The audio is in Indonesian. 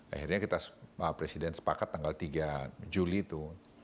akhirnya kita presiden sepakat tanggal tiga juli itu